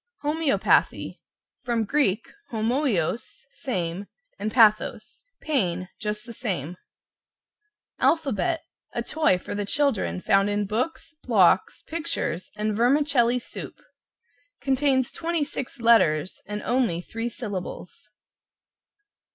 =HOMOEOPATHY= From Grk. homoios, same, and pathos. Pain, just the same. =ALPHABET= A toy for the children found in books, blocks, pictures and vermicelli soup. Contains 26 letters and only three syllables.